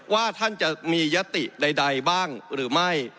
ว่าท่านจะมียติใดบ้างหรือไม่